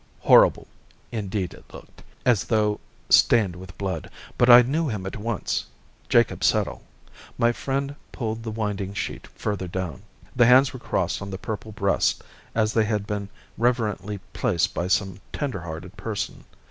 Horrible, indeed, it looked, as though stained with blood. But I knew him at once, Jacob Settle! My friend pulled the winding sheet further down. The hands were crossed on the purple breast as they had been reverently placed by some tender hearted person.